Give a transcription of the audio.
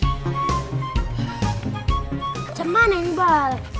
bagaimana ini bal